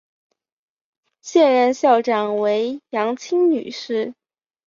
现任校长为杨清女士。